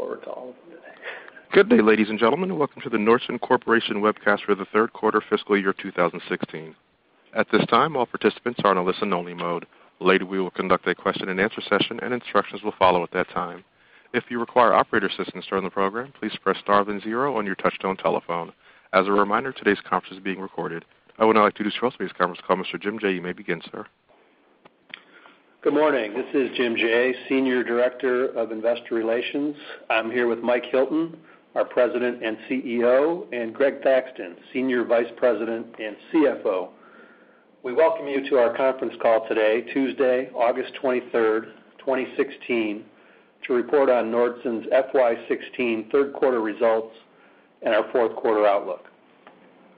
I'm actually looking forward to all of them today. Good day, ladies and gentlemen. Welcome to the Nordson Corporation webcast for the Q3 fiscal year 2016. At this time, all participants are in a listen only mode. Later, we will conduct a question-and-answer session and instructions will follow at that time. If you require operator assistance during the program, please press star then zero on your touchtone telephone. As a reminder, today's conference is being recorded. I would now like to introduce for this conference call Mr. Jim Jaye. You may begin, sir. Good morning. This is Jim Jaye, Senior Director of Investor Relations. I'm here with Mike Hilton, our President and CEO, and Greg Thaxton, Senior Vice President and CFO. We welcome you to our conference call today, Tuesday, August 23, 2016, to report on Nordson's FY16 Q3 results and our Q4 outlook.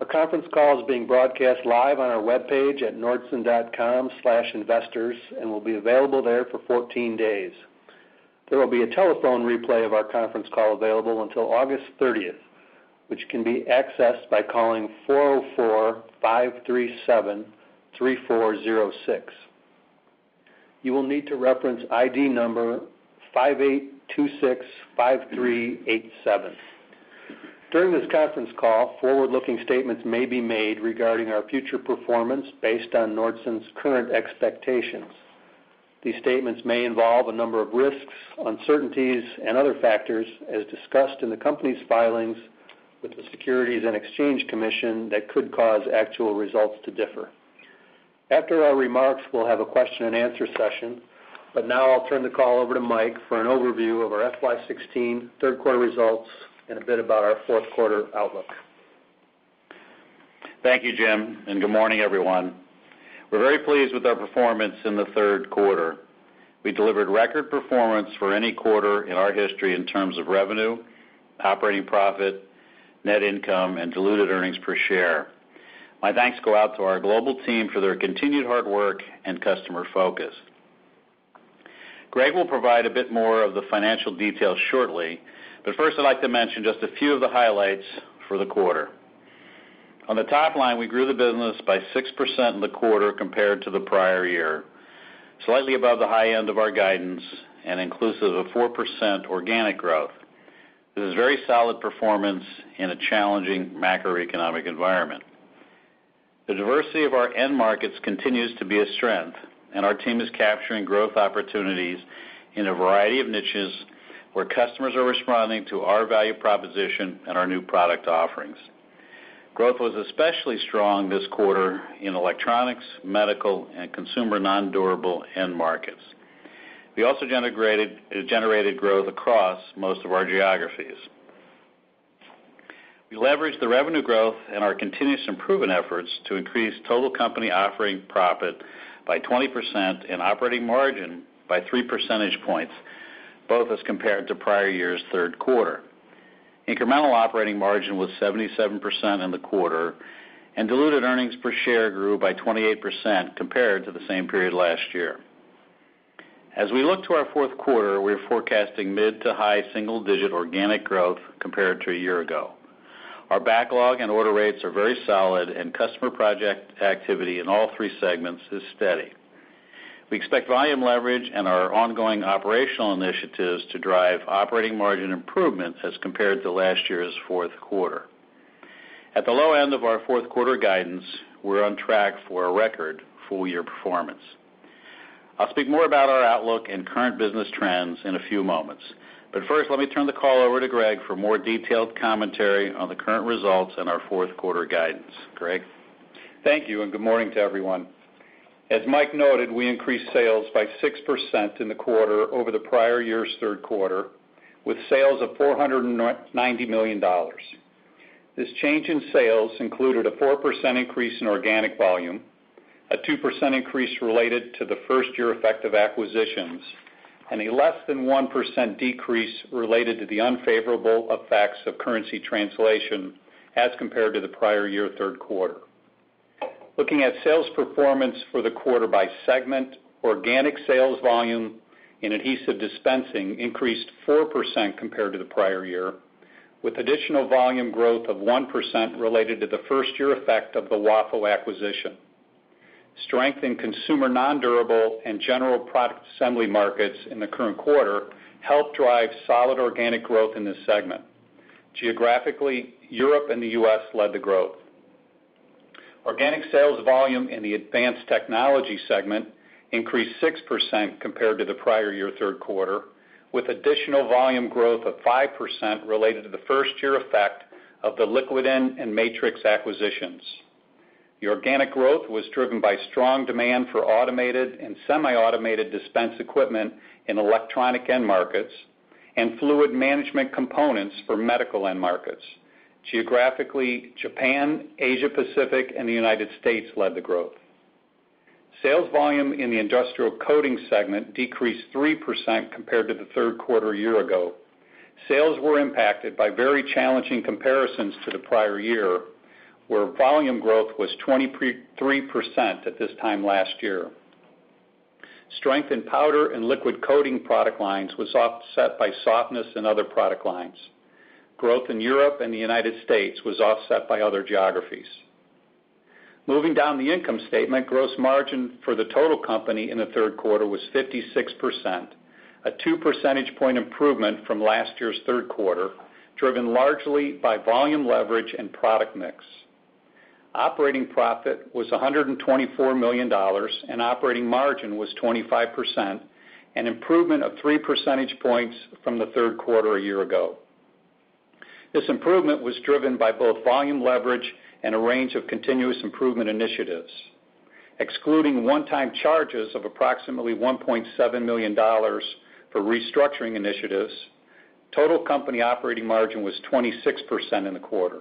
Our conference call is being broadcast live on our webpage at nordson.com/investors and will be available there for 14 days. There will be a telephone replay of our conference call available until August 30, which can be accessed by calling 404-573-406. You will need to reference ID number 58265387. During this conference call, forward-looking statements may be made regarding our future performance based on Nordson's current expectations. These statements may involve a number of risks, uncertainties and other factors as discussed in the company's filings with the Securities and Exchange Commission that could cause actual results to differ. After our remarks, we'll have a question and answer session, but now I'll turn the call over to Mike for an overview of our FY 16 Q3 results and a bit about our Q4 outlook. Thank you, Jim, and good morning, everyone. We're very pleased with our performance in the Q3. We delivered record performance for any quarter in our history in terms of revenue, operating profit, net income, and diluted earnings per share. My thanks go out to our global team for their continued hard work and customer focus. Greg will provide a bit more of the financial details shortly, but first, I'd like to mention just a few of the highlights for the quarter. On the top line, we grew the business by 6% in the quarter compared to the prior year, slightly above the high end of our guidance and inclusive of 4% organic growth. This is very solid performance in a challenging macroeconomic environment. The diversity of our end markets continues to be a strength, and our team is capturing growth opportunities in a variety of niches where customers are responding to our value proposition and our new product offerings. Growth was especially strong this quarter in electronics, medical, and consumer non-durable end markets. We also generated growth across most of our geographies. We leveraged the revenue growth and our continuous improvement efforts to increase total company operating profit by 20% and operating margin by 3 percentage points, both as compared to prior year's Q3 Incremental operating margin was 77% in the quarter, and diluted earnings per share grew by 28% compared to the same period last year. As we look to our Q4, we are forecasting mid- to high-single-digit organic growth compared to a year ago. Our backlog and order rates are very solid and customer project activity in all three segments is steady. We expect volume leverage and our ongoing operational initiatives to drive operating margin improvements as compared to last year's Q4. At the low end of our Q4 guidance, we're on track for a record full year performance. I'll speak more about our outlook and current business trends in a few moments, but first, let me turn the call over to Greg for more detailed commentary on the current results and our Q4 guidance. Greg? Thank you and good morning to everyone. As Mike noted, we increased sales by 6% in the quarter over the prior year's Q3 with sales of $490 million. This change in sales included a 4% increase in organic volume, a 2% increase related to the first year effect of acquisitions, and a less than 1% decrease related to the unfavorable effects of currency translation as compared to the prior year Q3. Looking at sales performance for the quarter by segment, organic sales volume in Adhesive Dispensing increased 4% compared to the prior year, with additional volume growth of 1% related to the first year effect of the WAF acquisition. Strength in consumer non-durable and general product assembly markets in the current quarter helped drive solid organic growth in this segment. Geographically, Europe and the U.S. led the growth. Organic sales volume in the Advanced Technology segment increased 6% compared to the prior year Q3 with additional volume growth of 5% related to the first year effect of the Liquidyn and MatriX acquisitions. The organic growth was driven by strong demand for automated and semi-automated dispense equipment in electronic end markets and fluid management components for medical end markets. Geographically, Japan, Asia Pacific, and the United States led the growth. Sales volume in the Industrial Coating segment decreased 3% compared to the Q3 a year ago. Sales were impacted by very challenging comparisons to the prior year, where volume growth was 23% at this time last year. Strength in powder and liquid coating product lines was offset by softness in other product lines. Growth in Europe and the United States was offset by other geographies. Moving down the income statement, gross margin for the total company in the Q3 was 56%, a 2 percentage points improvement from last year's Q3, driven largely by volume leverage and product mix. Operating profit was $124 million, and operating margin was 25%, an improvement of 3 percentage points from the Q3 a year ago. This improvement was driven by both volume leverage and a range of continuous improvement initiatives. Excluding one-time charges of approximately $1.7 million for restructuring initiatives, total company operating margin was 26% in the quarter.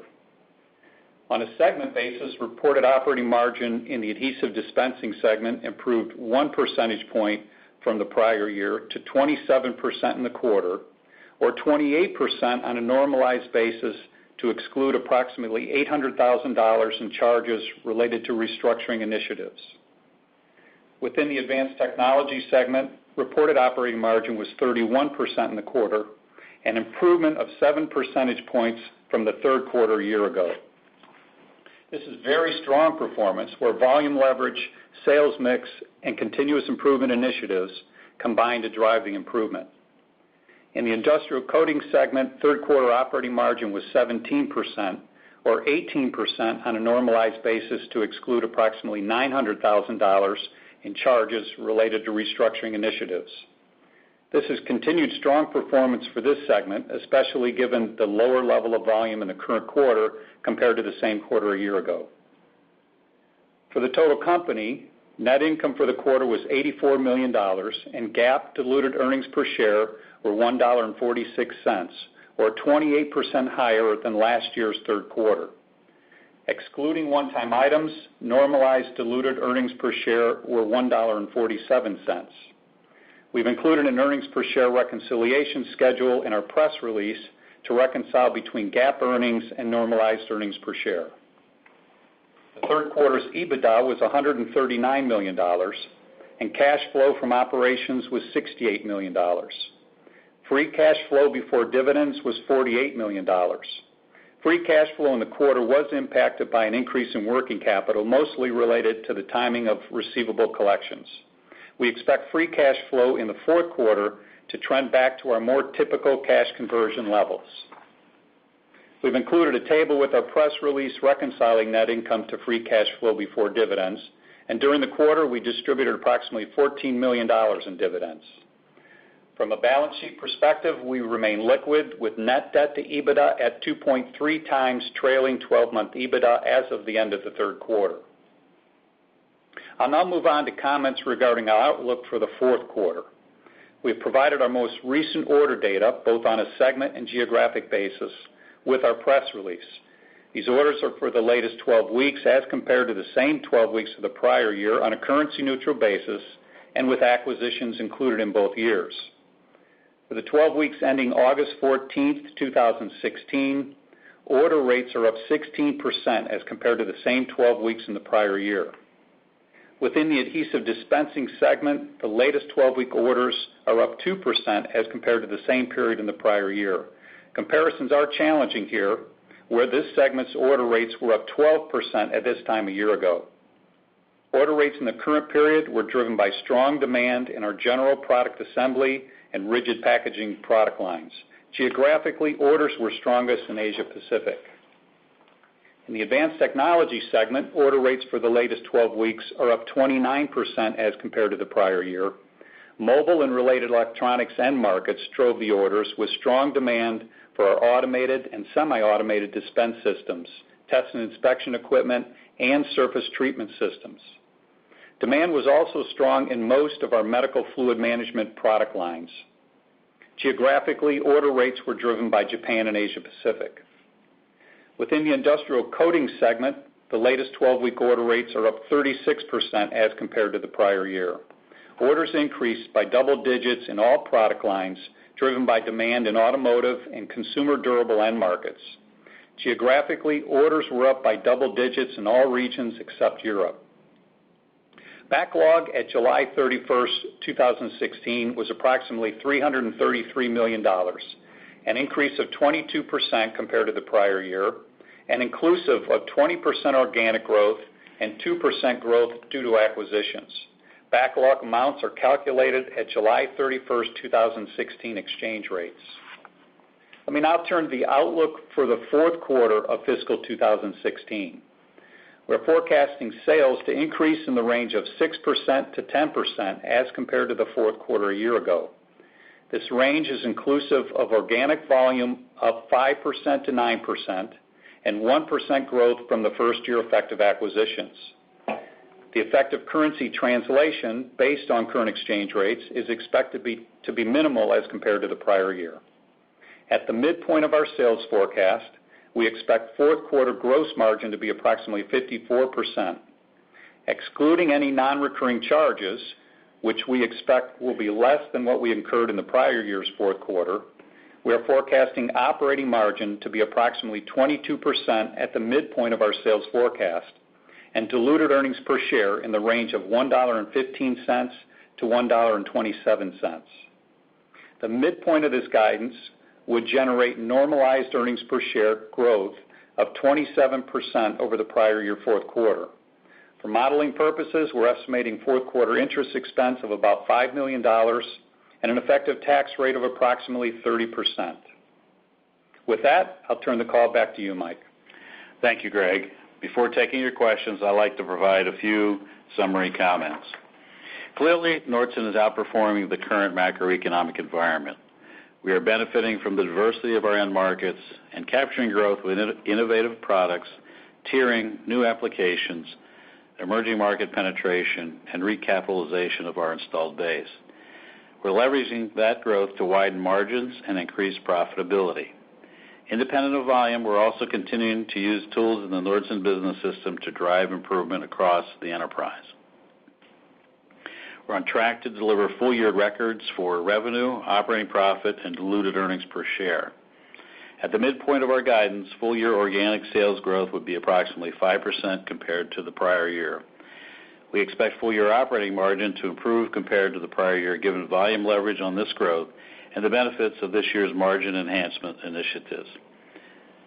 On a segment basis, reported operating margin in the Adhesive Dispensing segment improved 1 percentage point from the prior year to 27% in the quarter, or 28% on a normalized basis to exclude approximately $800,000 in charges related to restructuring initiatives. Within the Advanced Technology segment, reported operating margin was 31% in the quarter, an improvement of 7 percentage points from the Q3 a year ago. This is very strong performance where volume leverage, sales mix, and continuous improvement initiatives combined to drive the improvement. In the Industrial Coating segment, Q3 operating margin was 17%, or 18% on a normalized basis to exclude approximately $900,000 in charges related to restructuring initiatives. This is continued strong performance for this segment, especially given the lower level of volume in the current quarter compared to the same quarter a year ago. For the total company, net income for the quarter was $84 million, and GAAP diluted earnings per share were $1.46, or 28% higher than last year's third quarter. Excluding one-time items, normalized diluted earnings per share were $1.47. We've included an earnings per share reconciliation schedule in our press release to reconcile between GAAP earnings and normalized earnings per share. The Q3 EBITDA was $139 million, and cash flow from operations was $68 million. Free cash flow before dividends was $48 million. Free cash flow in the quarter was impacted by an increase in working capital, mostly related to the timing of receivable collections. We expect free cash flow in the Q4 to trend back to our more typical cash conversion levels. We've included a table with our press release reconciling net income to free cash flow before dividends. During the quarter, we distributed approximately $14 million in dividends. From a balance sheet perspective, we remain liquid with net debt to EBITDA at 2.3 times trailing 12-month EBITDA as of the end of the Q3. I'll now move on to comments regarding our outlook for the Q4. We've provided our most recent order data, both on a segment and geographic basis, with our press release. These orders are for the latest 12 weeks as compared to the same 12 weeks of the prior year on a currency-neutral basis and with acquisitions included in both years. For the 12 weeks ending August 14, 2016, order rates are up 16% as compared to the same 12 weeks in the prior year. Within the Adhesive Dispensing segment, the latest 12-week orders are up 2% as compared to the same period in the prior year. Comparisons are challenging here, where this segment's order rates were up 12% at this time a year ago. Order rates in the current period were driven by strong demand in our general product assembly and rigid packaging product lines. Geographically, orders were strongest in Asia-Pacific. In the Advanced Technology segment, order rates for the latest 12 weeks are up 29% as compared to the prior year. Mobile and related electronics end markets drove the orders with strong demand for our automated and semi-automated dispense systems, test and inspection equipment, and surface treatment systems. Demand was also strong in most of our medical fluid management product lines. Geographically, order rates were driven by Japan and Asia-Pacific. Within the Industrial Coating segment, the latest 12-week order rates are up 36% as compared to the prior year. Orders increased by double digits in all product lines, driven by demand in automotive and consumer durable end markets. Geographically, orders were up by double digits in all regions except Europe. Backlog at July 31, 2016 was approximately $333 million, an increase of 22% compared to the prior year, and inclusive of 20% organic growth and 2% growth due to acquisitions. Backlog amounts are calculated at July 31, 2016 exchange rates. Let me now turn to the outlook for the Q4 of fiscal 2016. We're forecasting sales to increase in the range of 6%-10% as compared to the Q4 a year ago. This range is inclusive of organic volume up 5%-9% and 1% growth from the first year effect of acquisitions. The effect of currency translation based on current exchange rates is expected to be minimal as compared to the prior year. At the midpoint of our sales forecast, we expect Q4 gross margin to be approximately 54%. Excluding any non-recurring charges, which we expect will be less than what we incurred in the prior year's Q4, we are forecasting operating margin to be approximately 22% at the midpoint of our sales forecast and diluted earnings per share in the range of $1.15-$1.27. The midpoint of this guidance would generate normalized earnings per share growth of 27% over the prior year Q4. For modeling purposes, we're estimating Q4 interest expense of about $5 million and an effective tax rate of approximately 30%. With that, I'll turn the call back to you, Mike. Thank you, Greg. Before taking your questions, I'd like to provide a few summary comments. Clearly, Nordson is outperforming the current macroeconomic environment. We are benefiting from the diversity of our end markets and capturing growth with innovative products, tiering new applications, emerging market penetration and recapitalization of our installed base. We're leveraging that growth to widen margins and increase profitability. Independent of volume, we're also continuing to use tools in the Nordson Business System to drive improvement across the enterprise. We're on track to deliver full year records for revenue, operating profit and diluted earnings per share. At the midpoint of our guidance, full year organic sales growth would be approximately 5% compared to the prior year. We expect full year operating margin to improve compared to the prior year, given volume leverage on this growth and the benefits of this year's margin enhancement initiatives.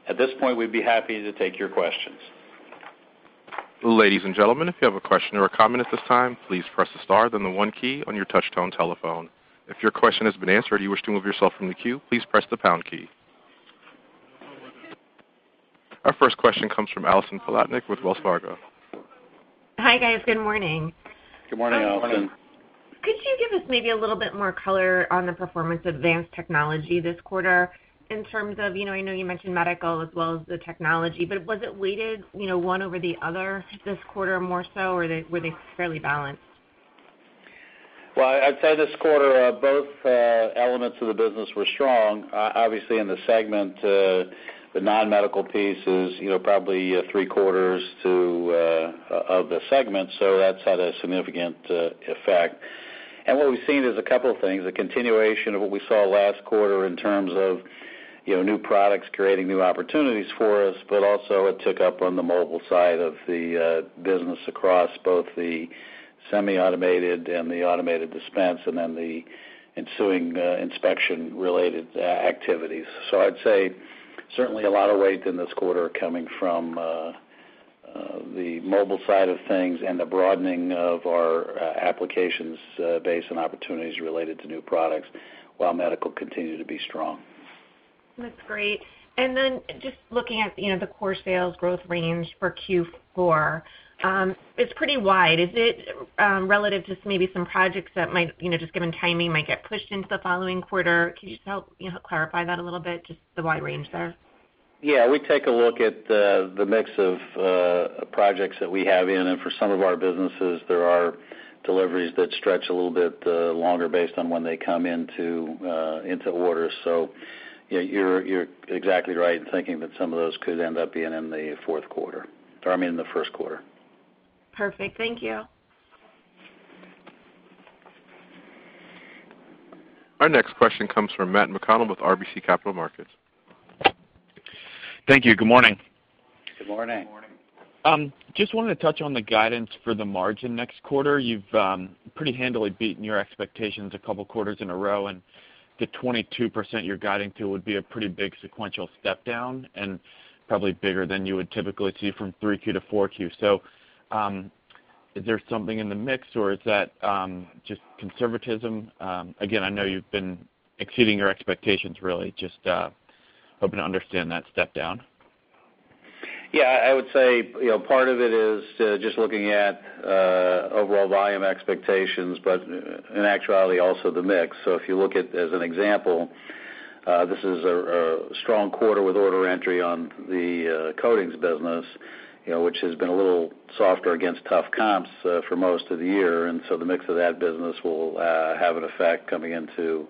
At this point, we'd be happy to take your questions. Ladies and gentlemen, if you have a question or a comment at this time, please press the star, then the one key on your touchtone telephone. If your question has been answered or you wish to move yourself from the queue, please press the pound key. Our first question comes from Allison Poliniak with Wells Fargo. Hi, guys. Good morning. Good morning, Allison. Good morning. Could you give us maybe a little bit more color on the performance of Advanced Technology this quarter in terms of, I know you mentioned medical as well as the technology, but was it weighted one over the other this quarter more so, or were they, were they fairly balanced? Well, I'd say this quarter, both elements of the business were strong. Obviously, in the segment, the non-medical piece is, probably Q4 of the segment, so that's had a significant effect. What we've seen is a couple things, a continuation of what we saw last quarter in terms of,, new products creating new opportunities for us. Also it picked up on the mobile side of the business across both the semi-automated and the automated dispensing and then the ensuing inspection-related activities. I'd say certainly a lot of weight in this quarter coming from the mobile side of things and the broadening of our applications base and opportunities related to new products, while medical continued to be strong. That's great. Then just looking at, the core sales growth range for Q4, it's pretty wide. Is it relative to maybe some projects that might, just given timing, might get pushed into the following quarter? Can you just help, clarify that a little bit, just the wide range there? Yeah. We take a look at the mix of projects that we have in and for some of our businesses. There are deliveries that stretch a little bit longer based on when they come into orders. You know, you're exactly right in thinking that some of those could end up being in the Q4, or I mean in the Q1. Perfect. Thank you. Our next question comes from Matt McConnell with RBC Capital Markets. Thank you. Good morning. Good morning. Good morning. Just wanted to touch on the guidance for the margin next quarter. You've pretty handily beaten your expectations a couple quarters in a row, and the 22% you're guiding to would be a pretty big sequential step down and probably bigger than you would typically see from Q3 to Q4. Is there something in the mix or is that just conservatism? Again, I know you've been exceeding your expectations really. Just hoping to understand that step down. Yeah, I would say, part of it is just looking at overall volume expectations, but in actuality also the mix. If you look at, as an example, this is a strong quarter with order entry on the coatings business, which has been a little softer against tough comps for most of the year. The mix of that business will have an effect coming into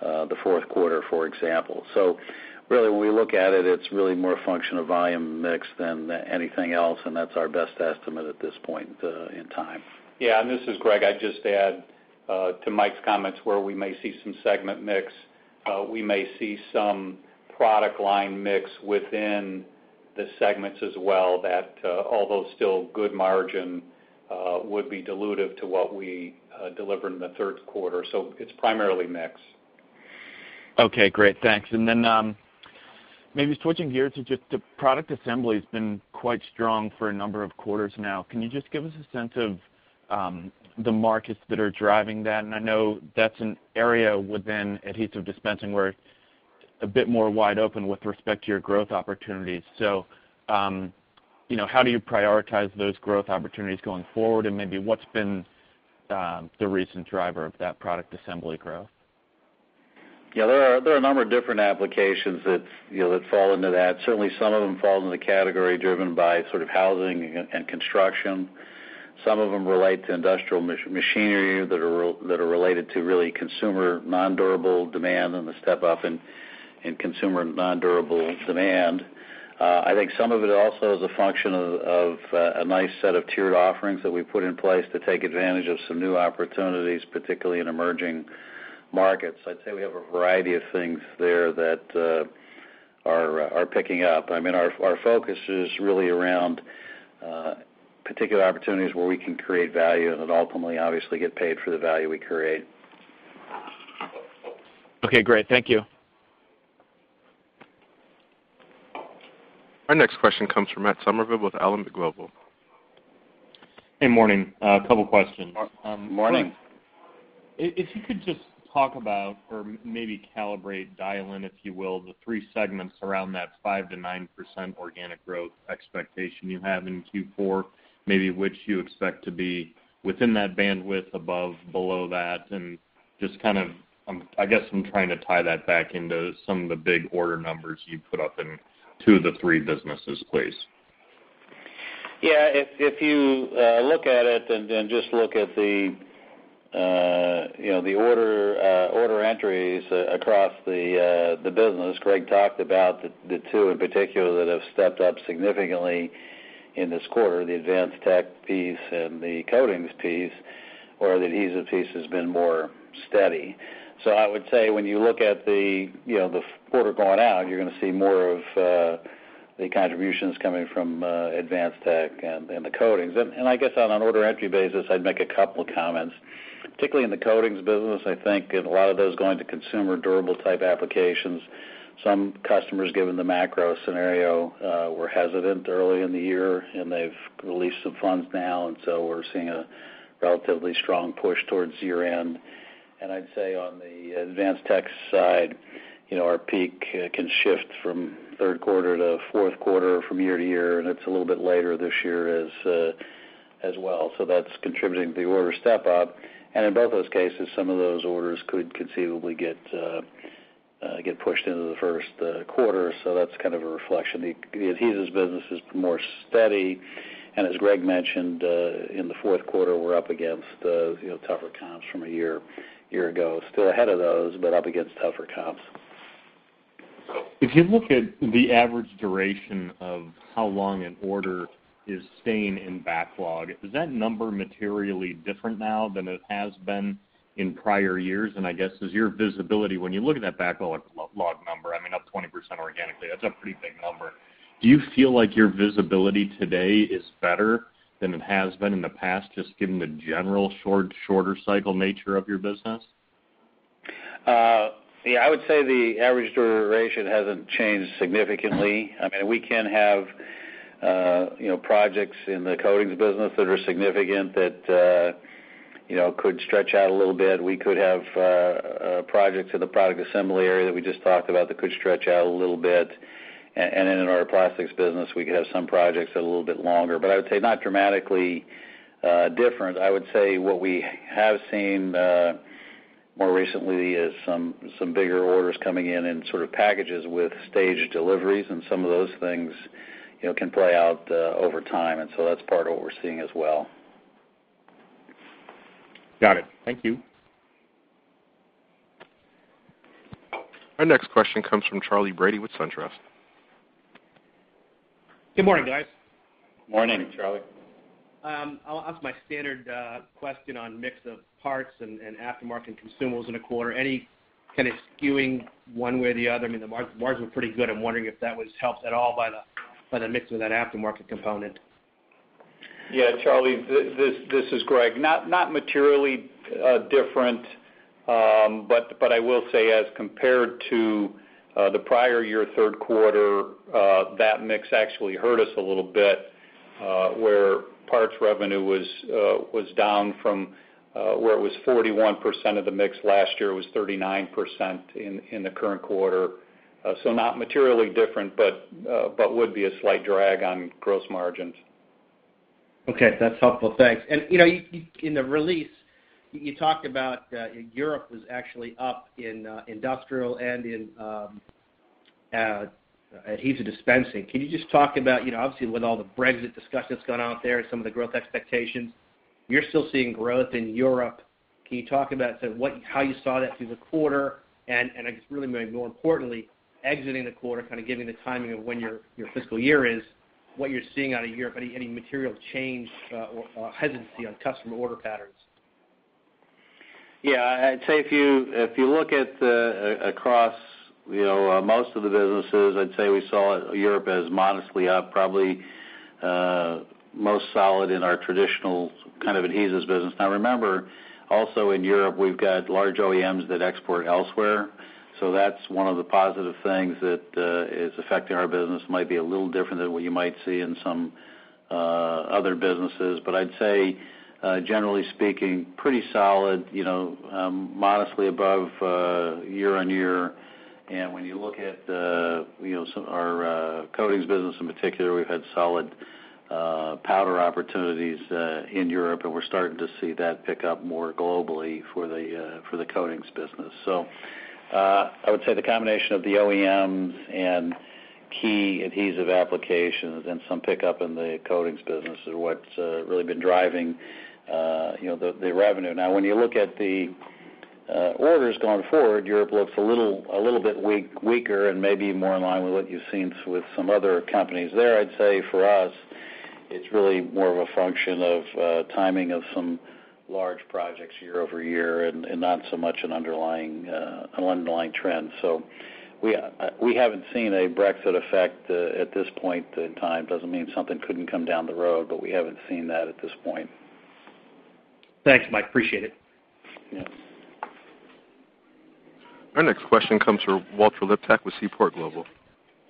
the Q4 for example. Really when we look at it's really more function of volume mix than anything else, and that's our best estimate at this point in time. Yeah, this is Greg. I'd just add to Mike's comments where we may see some segment mix. We may see some product line mix within the segments as well that, although still good margin, would be dilutive to what we delivered in the Q3. It's primarily mix. Okay, great. Thanks. Maybe switching gears to just the product assembly has been quite strong for a number of quarters now. Can you just give us a sense of the markets that are driving that? I know that's an area within adhesive dispensing where it's a bit more wide open with respect to your growth opportunities. You know, how do you prioritize those growth opportunities going forward? Maybe what's been the recent driver of that product assembly growth? Yeah, there are a number of different applications that, that fall into that. Certainly, some of them fall in the category driven by sort of housing and construction. Some of them relate to industrial machinery that are related to really consumer non-durable demand and the step up in consumer non-durable demand. I think some of it also is a function of a nice set of tiered offerings that we put in place to take advantage of some new opportunities, particularly in emerging markets. I'd say we have a variety of things there that are picking up. I mean, our focus is really around particular opportunities where we can create value and then ultimately obviously get paid for the value we create. Okay, great. Thank you. Our next question comes from Matt Summerville with Alembic Global. Hey, morning. A couple questions. Morning. If you could just talk about or maybe calibrate, dial in, if you will, the three segments around that 5%-9% organic growth expectation you have in Q4, maybe which you expect to be within that bandwidth above, below that. Just kind of, I guess I'm trying to tie that back into some of the big order numbers you put up in two of the three businesses, please. Yeah. If you look at it and just look at the order entries across the business, Greg talked about the two in particular that have stepped up significantly in this quarter, the advanced tech piece and the coatings piece, or the adhesive piece has been more steady. I would say when you look at the quarter going out, you're gonna see more of the contributions coming from advanced tech and the coatings. I guess on an order entry basis, I'd make a couple comments. Particularly in the coatings business, I think, and a lot of those going to consumer durable type applications. Some customers, given the macro scenario, were hesitant early in the year, and they've released some funds now, and so we're seeing a relatively strong push towards year-end. I'd say on the advanced tech side our peak can shift from Q3 to Q4 from year-to-year, and it's a little bit later this year as well. That's contributing to the order step-up. In both those cases, some of those orders could conceivably get pushed into the Q1. That's kind of a reflection. The adhesives business is more steady. As Greg mentioned, in the Q4, we're up against tougher comps from a year ago. Still ahead of those, but up against tougher comps. If you look at the average duration of how long an order is staying in backlog, is that number materially different now than it has been in prior years? I guess, is your visibility when you look at that backlog log number, I mean, up 20% organically, that's a pretty big number. Do you feel like your visibility today is better than it has been in the past, just given the general shorter cycle nature of your business? Yeah, I would say the average duration hasn't changed significantly. I mean, we can have, projects in the coatings business that are significant that, could stretch out a little bit. We could have projects in the product assembly area that we just talked about that could stretch out a little bit. In our plastics business, we could have some projects that are a little bit longer. I would say not dramatically different. I would say what we have seen more recently is some bigger orders coming in in sort of packages with staged deliveries, and some of those things, can play out over time. That's part of what we're seeing as well. Got it. Thank you. Our next question comes from Charley Brady with SunTrust. Good morning, guys. Morning. I'll ask my standard question on mix of parts and aftermarket consumables in a quarter. Any kind of skewing one way or the other? I mean, the margins were pretty good. I'm wondering if that was helped at all by the mix of that aftermarket component. Yeah, Charley, this is Greg. Not materially different. I will say as compared to the prior year Q3, that mix actually hurt us a little bit, where parts revenue was down from where it was 41% of the mix last year, it was 39% in the current quarter. Not materially different but would be a slight drag on gross margins. Okay, that's helpful. Thanks. You know, you in the release, you talked about Europe was actually up in industrial and in adhesive dispensing. Can you just talk about, obviously with all the Brexit discussion that's gone out there and some of the growth expectations, you're still seeing growth in Europe. Can you talk about sort of how you saw that through the quarter? I guess really maybe more importantly, exiting the quarter, kind of giving the timing of when your fiscal year is, what you're seeing out of Europe, any material change or hesitancy on customer order patterns. Yeah. I'd say if you look at across, most of the businesses, I'd say we saw Europe as modestly up, probably, most solid in our traditional kind of adhesives business. Now remember, also in Europe, we've got large OEMs that export elsewhere. So that's one of the positive things that is affecting our business. Might be a little different than what you might see in some other businesses. But I'd say generally speaking, pretty solid, modestly above year-on-year. When you look at, you know, our coatings business in particular, we've had solid powder opportunities in Europe, and we're starting to see that pick up more globally for the coatings business. I would say the combination of the OEMs and key adhesive applications and some pickup in the coatings business is what's really been driving, you know, the revenue. Now when you look at the orders going forward, Europe looks a little bit weaker and maybe more in line with what you've seen with some other companies there. I'd say for us it's really more of a function of timing of some large projects year-over-year and not so much an underlying trend. We haven't seen a Brexit effect at this point in time. Doesn't mean something couldn't come down the road, but we haven't seen that at this point. Thanks, Mike. Appreciate it. Yeah. Our next question comes from Walter Liptak with Seaport Global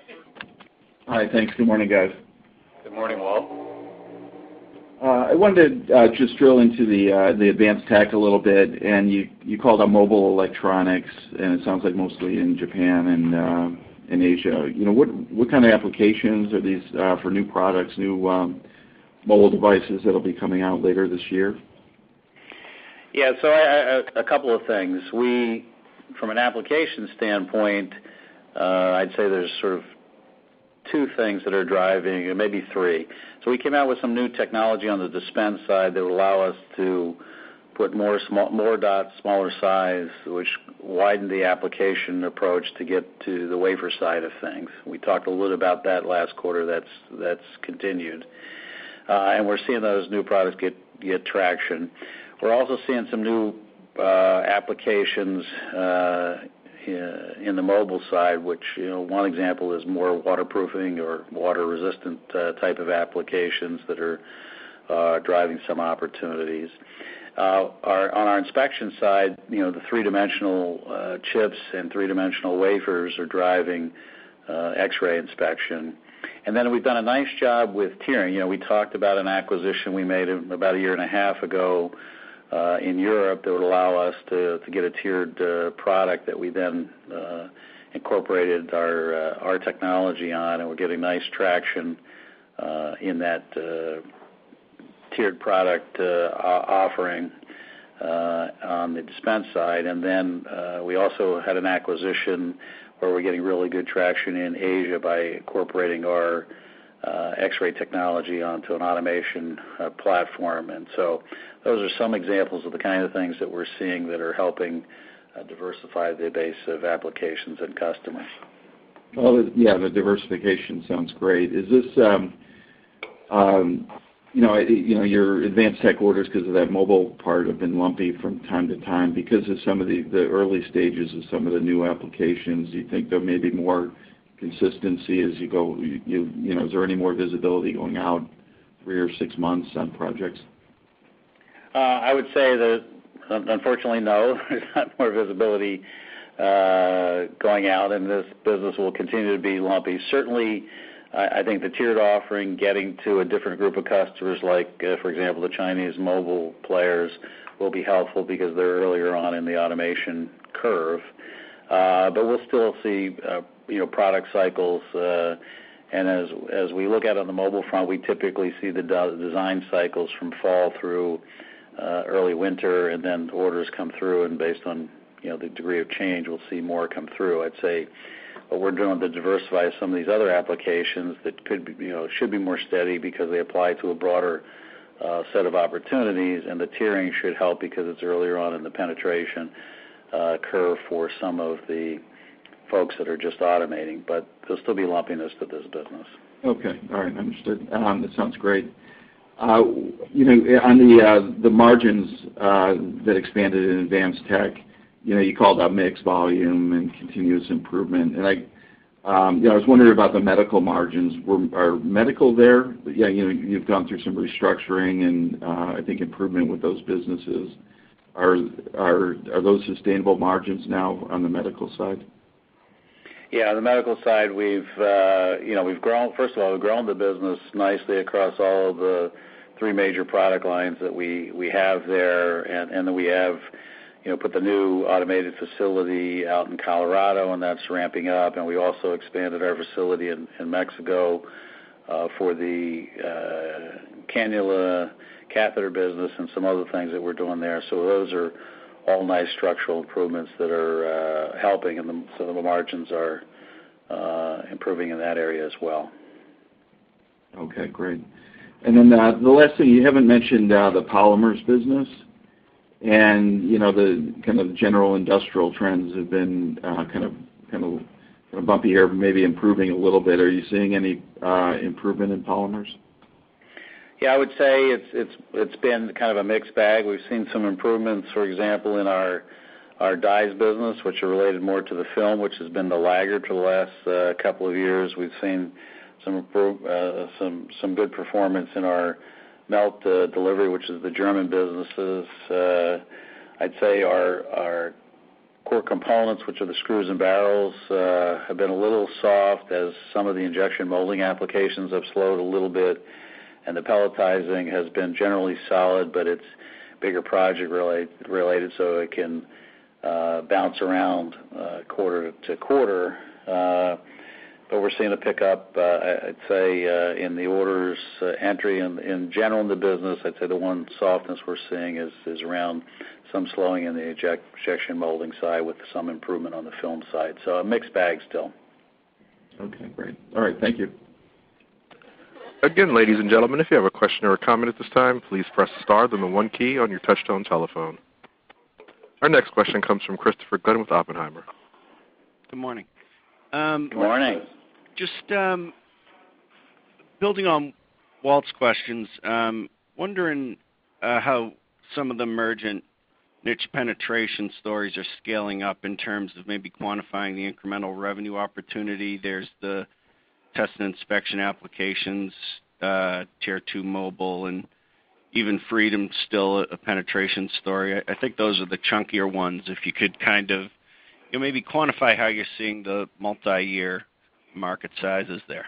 Securities. Hi. Thanks. Good morning, guys. Good morning, Walt. I wanted to just drill into the advanced tech a little bit, and you called out mobile electronics, and it sounds like mostly in Japan and in Asia. You know, what kind of applications are these for new products, new mobile devices that'll be coming out later this year? Yeah. A couple of things. From an application standpoint, I'd say there's sort of two things that are driving or maybe three. We came out with some new technology on the dispense side that will allow us to put more dots, smaller size, which widened the application approach to get to the wafer side of things. We talked a little about that last quarter. That's continued. We're seeing those new products get traction. We're also seeing some new applications in the mobile side, which, one example is more waterproofing or water-resistant type of applications that are driving some opportunities. On our inspection side, the three-dimensional chips and three-dimensional wafers are driving X-ray inspection. We've done a nice job with tiering. We talked about an acquisition we made about a year and a half ago in Europe that would allow us to get a tiered product that we then incorporated our technology on, and we're getting nice traction in that tiered product offering on the dispense side. We also had an acquisition where we're getting really good traction in Asia by incorporating our X-ray technology onto an automation platform. Those are some examples of the kind of things that we're seeing that are helping diversify the base of applications and customers. Well, yeah, the diversification sounds great. Is this, your advanced tech orders, because of that mobile part, have been lumpy from time to time because of some of the early stages of some of the new applications. Do you think there may be more consistency as you go? Is there any more visibility going out 3 or 6 months on projects? I would say that, unfortunately, no, there's not more visibility going out, and this business will continue to be lumpy. Certainly, I think the tiered offering, getting to a different group of customers like, for example, the Chinese mobile players, will be helpful because they're earlier on in the automation curve. We'll still see, product cycles. As we look out on the mobile front, we typically see the design cycles from fall through early winter, and then orders come through, and based on, the degree of change, we'll see more come through. I'd say what we're doing to diversify some of these other applications that could be, should be more steady because they apply to a broader set of opportunities, and the tiering should help because it's earlier on in the penetration curve for some of the folks that are just automating, but there'll still be lumpiness to this business. Okay. All right. Understood. That sounds great. On the margins that expanded in advanced tech, you called out mix volume and continuous improvement. I was wondering about the medical margins. Are medical there? You've gone through some restructuring and I think improvement with those businesses. Are those sustainable margins now on the medical side? Yeah. On the medical side, we've, grown, first of all, the business nicely across all of the three major product lines that we have there and then we have, put the new automated facility out in Colorado, and that's ramping up. We also expanded our facility in Mexico for the cannula catheter business and some other things that we're doing there. Those are all nice structural improvements that are helping, so the margins are improving in that area as well. Okay, great. The last thing, you haven't mentioned, the polymers business and, the kind of general industrial trends have been, kind of bumpy here, but maybe improving a little bit. Are you seeing any improvement in polymers? Yeah, I would say it's been kind of a mixed bag. We've seen some improvements, for example, in our dies business, which are related more to the film, which has been the laggard for the last couple of years. We've seen some good performance in our melt delivery, which is the German businesses. I'd say our core components, which are the screws and barrels, have been a little soft as some of the injection molding applications have slowed a little bit, and the pelletizing has been generally solid, but it's bigger project related, so it can bounce around quarter-to-quarter. We're seeing a pickup, I'd say, in the order entry in general in the business. I'd say the one softness we're seeing is around some slowing in the injection molding side with some improvement on the film side. A mixed bag still. Okay, great. All right. Thank you. Again, ladies and gentlemen, if you have a question or a comment at this time, please press star, then the one key on your touchtone telephone. Our next question comes from Christopher Glynn with Oppenheimer. Good morning. Good morning. Just building on Walter's questions, wondering how some of the emergent niche penetration stories are scaling up in terms of maybe quantifying the incremental revenue opportunity. There's the test and inspection applications, Tier Two mobile, and even Freedom's still a penetration story. I think those are the chunkier ones. If you could kind of, maybe quantify how you're seeing the multiyear market sizes there.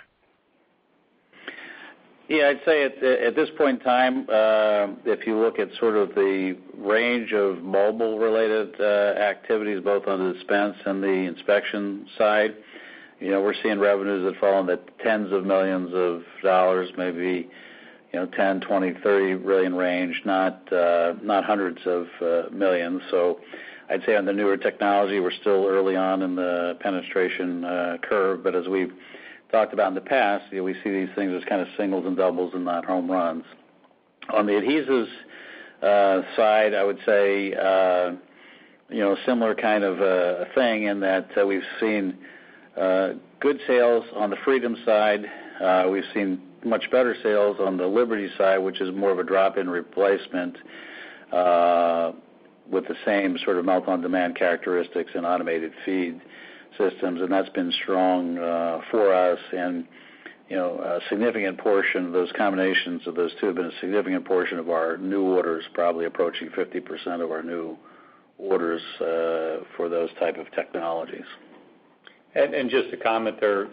Yeah, I'd say at this point in time, if you look at sort of the range of mobile-related activities, both on the dispense and the inspection side, we're seeing revenues that fall in the tens of millions of dollars, maybe, $10-$30 million range, not hundreds of millions. I'd say on the newer technology, we're still early on in the penetration curve. As we've talked about in the past, we see these things as kind of singles and doubles and not home runs. On the adhesives side, I would say, similar kind of a thing in that we've seen good sales on the Freedom side. We've seen much better sales on the Liberty side, which is more of a drop-in replacement, with the same sort of melt on-demand characteristics and automated feed systems, and that's been strong, for us. You know, a significant portion of those combinations of those two have been a significant portion of our new orders, probably approaching 50% of our new orders, for those type of technologies. Just to comment there,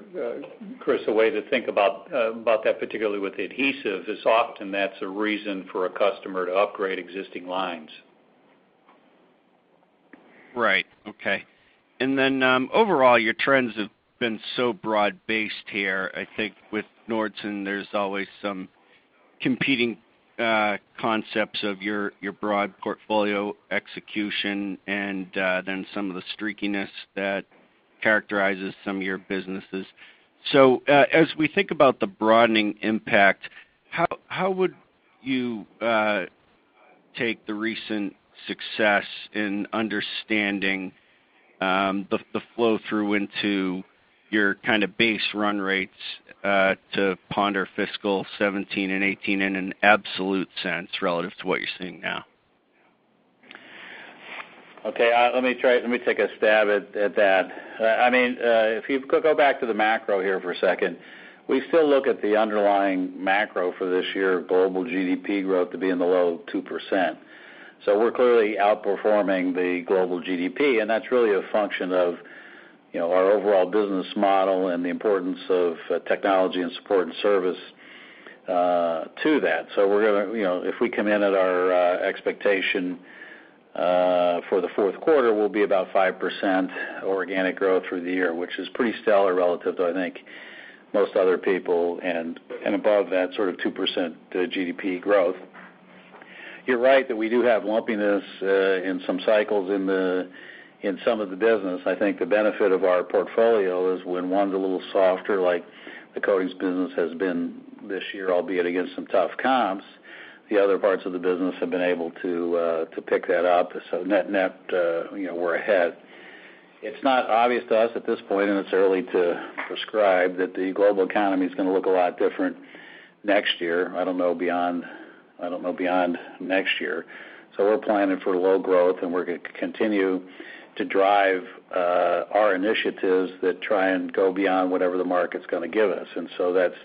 Chris, a way to think about that, particularly with the adhesive, is often that's a reason for a customer to upgrade existing lines. Overall, your trends have been so broad-based here. I think with Nordson, there's always some competing concepts of your broad portfolio execution and then some of the streakiness that characterizes some of your businesses. As we think about the broadening impact, how would you take the recent success in understanding the flow through into your kind of base run rates to ponder fiscal 2017 and 2018 in an absolute sense relative to what you're seeing now? Okay, let me take a stab at that. I mean, if you go back to the macro here for a second, we still look at the underlying macro for this year, global GDP growth to be in the low 2%. We're clearly outperforming the global GDP, and that's really a function of, our overall business model and the importance of technology and support and service to that. You know, if we come in at our expectation for the Q4, we'll be about 5% organic growth through the year, which is pretty stellar relative to, I think, most other people and above that sort of 2% GDP growth. You're right that we do have lumpiness in some cycles in some of the business. I think the benefit of our portfolio is when one's a little softer, like the coatings business has been this year, albeit against some tough comps, the other parts of the business have been able to to pick that up. Net we're ahead. It's not obvious to us at this point, and it's early to prescribe that the global economy is gonna look a lot different next year. I don't know beyond next year. We're planning for low growth, and we're gonna continue to drive our initiatives that try and go beyond whatever the market's gonna give us. That's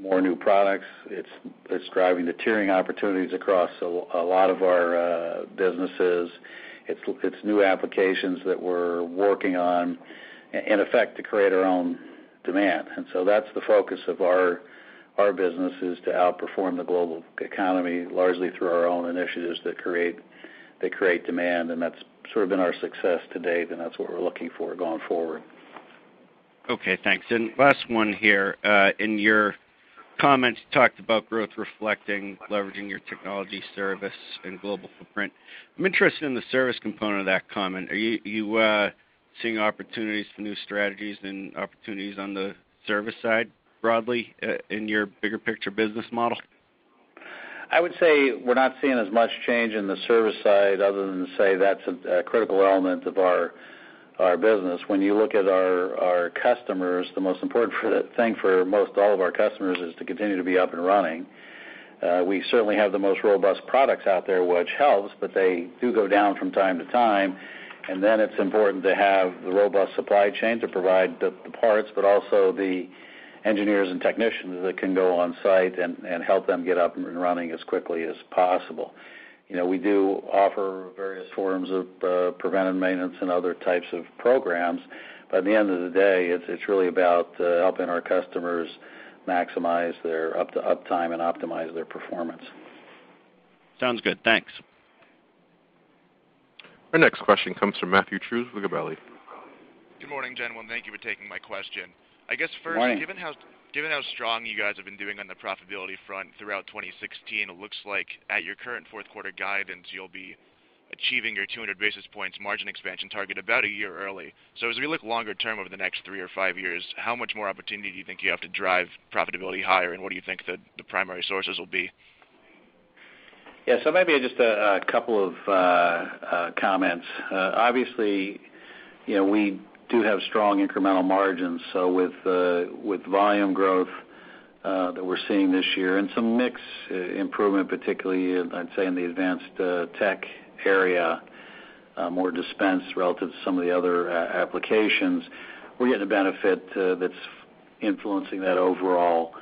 more new products. It's driving the tiering opportunities across a lot of our businesses. It's new applications that we're working on, in effect, to create our own demand. That's the focus of our business, is to outperform the global economy largely through our own initiatives that create demand. That's sort of been our success to date, and that's what we're looking for going forward. Okay, thanks. Last one here. In your comments, you talked about growth reflecting leveraging your technology service and global footprint. I'm interested in the service component of that comment. Are you seeing opportunities for new strategies and opportunities on the service side broadly, in your bigger picture business model? I would say we're not seeing as much change in the service side other than to say that's a critical element of our business. When you look at our customers, the most important thing for most all of our customers is to continue to be up and running. We certainly have the most robust products out there, which helps, but they do go down from time to time. It's important to have the robust supply chain to provide the parts, but also the engineers and technicians that can go on site and help them get up and running as quickly as possible. You know, we do offer various forms of preventive maintenance and other types of programs, but at the end of the day, it's really about helping our customers maximize their up time and optimize their performance. Sounds good. Thanks. Our next question comes from Matthew Trusz, Gabelli. Good morning, gentlemen. Thank you for taking my question. I guess first- Good morning. Given how strong you guys have been doing on the profitability front throughout 2016, it looks like at your current Q4 guidance, you'll be achieving your 200 basis points margin expansion target about a year early. As we look longer term over the next three or five years, how much more opportunity do you think you have to drive profitability higher, and what do you think the primary sources will be? Yeah. Maybe just a couple of comments. Obviously, we do have strong incremental margins. With volume growth that we're seeing this year and some mix improvement, particularly, I'd say, in the advanced tech area, more dispense relative to some of the other applications, we're getting a benefit that's influencing that overall,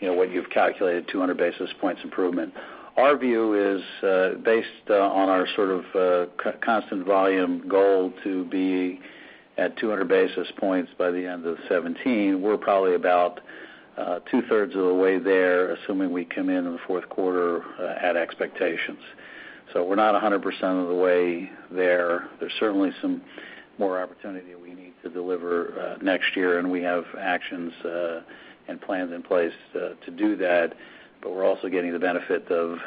what you've calculated, 200 basis points improvement. Our view is based on our sort of constant volume goal to be at 200 basis points by the end of 2017. We're probably about two-thirds of the way there, assuming we come in in the Q4 at expectations. We're not 100% of the way there. There's certainly some more opportunity that we need to deliver next year, and we have actions and plans in place to do that, but we're also getting the benefit of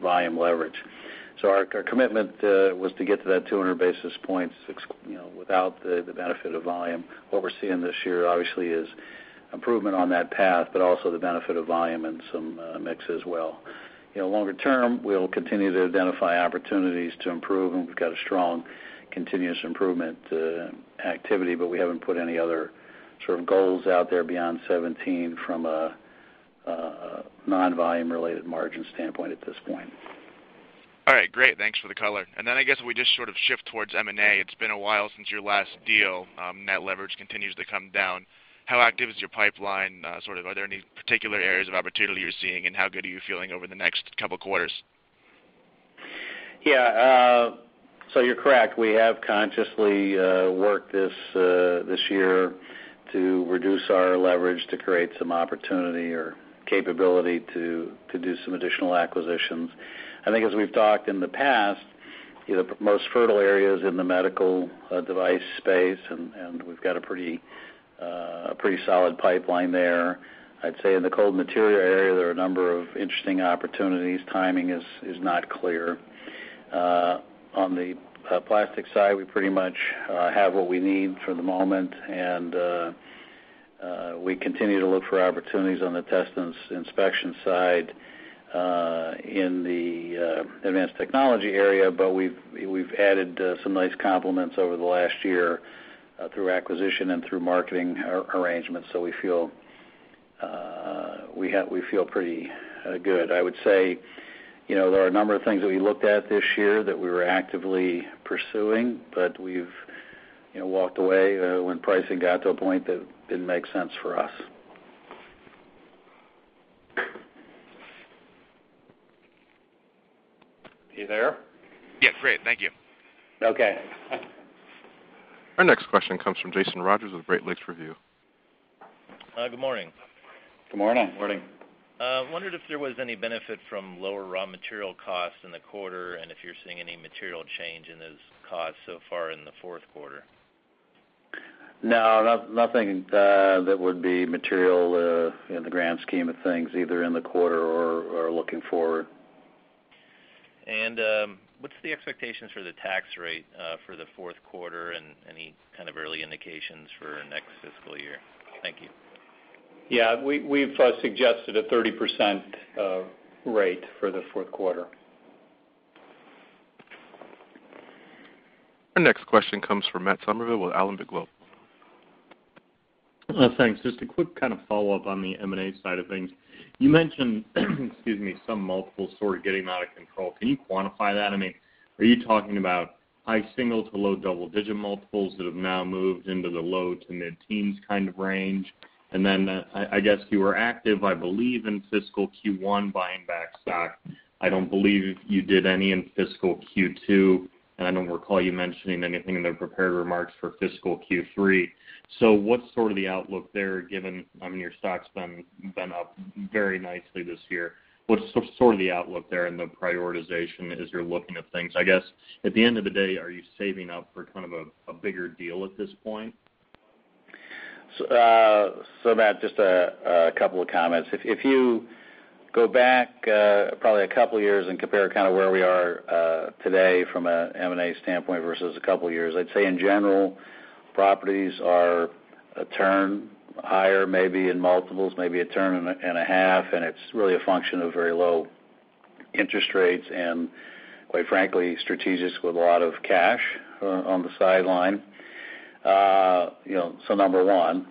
volume leverage. Our commitment was to get to that 200 basis points, without the benefit of volume. What we're seeing this year obviously is improvement on that path, but also the benefit of volume and some mix as well. You know, longer term, we'll continue to identify opportunities to improve, and we've got a strong continuous improvement activity, but we haven't put any other sort of goals out there beyond 2017 from non-volume related margin standpoint at this point. All right. Great. Thanks for the color. I guess we just sort of shift towards M&A. It's been a while since your last deal. Net leverage continues to come down. How active is your pipeline? Sort of, are there any particular areas of opportunity you're seeing, and how good are you feeling over the next couple quarters? Yeah, you're correct. We have consciously worked this year to reduce our leverage to create some opportunity or capability to do some additional acquisitions. I think as we've talked in the past, the most fertile areas in the medical device space, and we've got a pretty solid pipeline there. I'd say in the cold material area, there are a number of interesting opportunities. Timing is not clear. On the plastic side, we pretty much have what we need for the moment, and we continue to look for opportunities on the test and inspection side in the advanced technology area. We've added some nice complements over the last year through acquisition and through marketing arrangements. We feel pretty good. I would say, there are a number of things that we looked at this year that we were actively pursuing, but we've, walked away when pricing got to a point that didn't make sense for us. You there? Yeah. Great. Thank you. Okay. Our next question comes from Jason Rodgers with Great Lakes Review. Good morning. Good morning. Morning. Wondered if there was any benefit from lower raw material costs in the quarter, and if you're seeing any material change in those costs so far in the Q4? No, nothing that would be material in the grand scheme of things, either in the quarter or looking forward. What's the expectations for the tax rate for the Q4, and any kind of early indications for next fiscal year? Thank you. Yeah. We've suggested a 30% rate for the Q4. Our next question comes from Matt Summerville with Alembic Global. Thanks. Just a quick kind of follow-up on the M&A side of things. You mentioned, excuse me, some multiples sort of getting out of control. Can you quantify that? I mean, are you talking about high single to low double-digit multiples that have now moved into the low to mid-teens kind of range? I guess you were active, I believe in fiscal Q1, buying back stock. I don't believe you did any in fiscal Q2, and I don't recall you mentioning anything in the prepared remarks for fiscal Q3. What's sort of the outlook there given, I mean, your stock's been up very nicely this year. What's sort of the outlook there and the prioritization as you're looking at things? I guess, at the end of the day, are you saving up for kind of a bigger deal at this point? Matt, just a couple of comments. If you go back, probably a couple years and compare kind of where we are today from a M&A standpoint versus a couple years, I'd say in general, properties are a turn higher, maybe in multiples, maybe a turn and a half, and it's really a function of very low interest rates and quite frankly, strategics with a lot of cash on the sideline. You know, number one.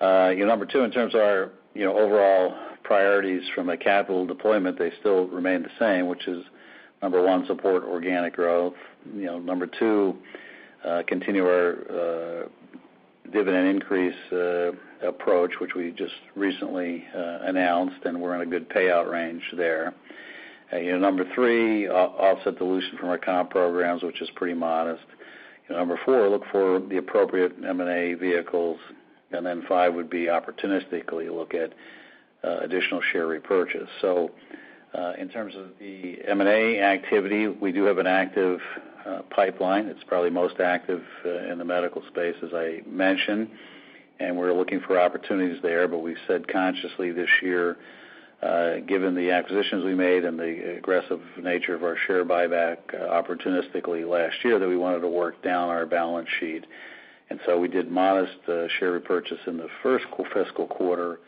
Number two, in terms of our overall priorities from a capital deployment, they still remain the same, which is number one, support organic growth. You know, number two, continue our dividend increase approach, which we just recently announced, and we're in a good payout range there. You know, number three, offset dilution from our comp programs, which is pretty modest. Number four, look for the appropriate M&A vehicles. Then five would be opportunistically look at additional share repurchase. In terms of the M&A activity, we do have an active pipeline. It's probably most active in the medical space, as I mentioned, and we're looking for opportunities there. We said consciously this year, given the acquisitions we made and the aggressive nature of our share buyback opportunistically last year, that we wanted to work down our balance sheet. We did modest share repurchase in the first fiscal quarter.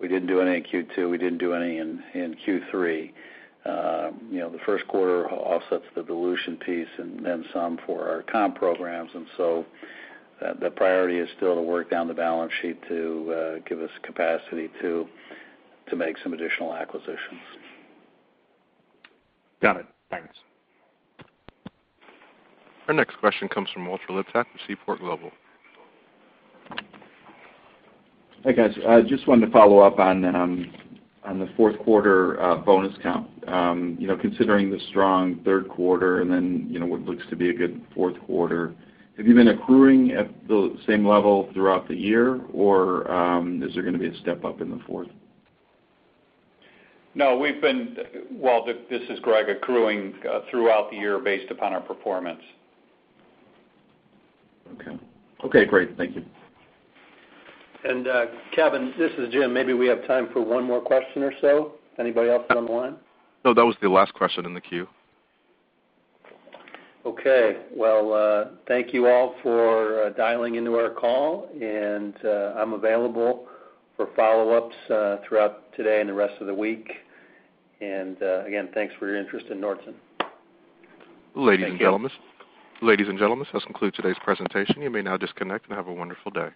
We didn't do any in Q2. We didn't do any in Q3.The Q1 offsets the dilution piece and then some for our comp programs. The priority is still to work down the balance sheet to give us capacity to make some additional acquisitions. Got it. Thanks. Our next question comes from Walter Liptak from Seaport Global. Hey, guys. I just wanted to follow up on the Q4 bonus comp. You know, considering the strong Q3 and then, what looks to be a good Q4, have you been accruing at the same level throughout the year, or is there gonna be a step up in the fourth? No. Well, this is Greg, accruing throughout the year based upon our performance. Okay. Okay, great. Thank you. Kevin, this is Jim. Maybe we have time for one more question or so. Anybody else on the line? No, that was the last question in the queue. Okay. Well, thank you all for dialing into our call, and I'm available for follow-ups throughout today and the rest of the week. Again, thanks for your interest in Nordson. Ladies and gentlemen. Thank you. Ladies and gentlemen, this concludes today's presentation. You may now disconnect and have a wonderful day.